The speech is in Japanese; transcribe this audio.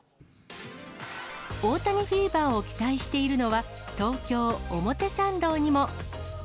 大谷フィーバーを期待しているのは、東京・表参道にも。